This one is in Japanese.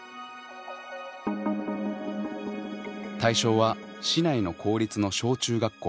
対象は市内の公立の小中学校